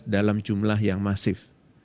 dalam jumlah yang masif